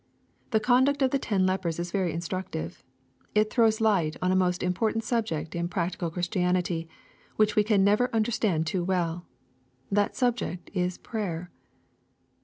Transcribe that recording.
The conduct of the ten lepers is very instructive. It throws light on a most important subject in practical Christianity, which we can never understand too welL That subject is prayer.